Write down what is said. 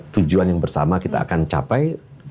tujuan yang bersama kita akan capai